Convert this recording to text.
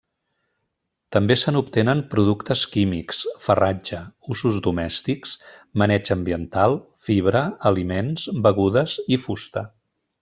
També se n'obtenen productes químics, farratge, usos domèstics, maneig ambiental, fibra, aliments, begudes, i fusta.